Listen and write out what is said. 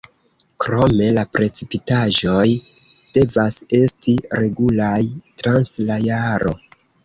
Krome la precipitaĵoj devas esti regulaj trans la jaro.